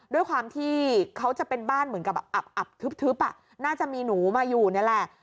ด้วยความที่เขาจะเป็นบ้านเหมือนกับแบบอับทึบน่าจะมีหนูมาอยู่นี่แหละ